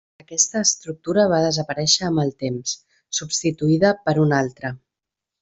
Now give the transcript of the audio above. Aquesta estructura va desaparèixer amb el temps, substituïda per una altra.